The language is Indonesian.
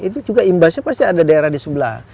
itu juga imbasnya pasti ada daerah di sebelah